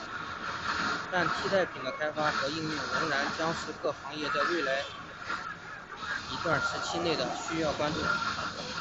但替代品的开发和应用仍然将是各行业在未来一段时期内需要关注的问题。